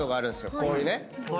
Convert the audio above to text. こういう。